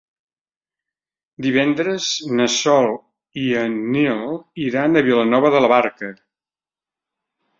Divendres na Sol i en Nil iran a Vilanova de la Barca.